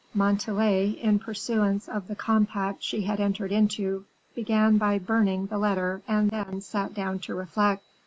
Montalais, in pursuance of the compact she had entered into, began by burning the letter, and then sat down to reflect.